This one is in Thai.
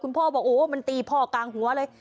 พ่อบอกโอ้มันตีพ่อกลางหัวเลย